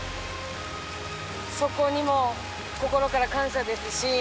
そこにも心から感謝ですし。